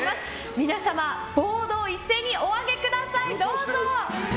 皆様、ボードを一斉にお上げください。